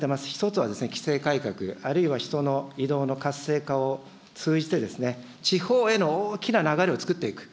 １つは、規制改革、あるいは人の移動の活性化を通じて、地方への大きな流れをつくっていく。